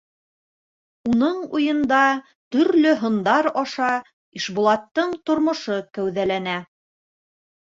- Уның уйында төрлө һындар аша Ишбулаттың тормошо кәүҙәләнә.